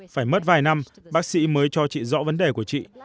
phải mất vài năm bác sĩ mới cho chị rõ vấn đề của chị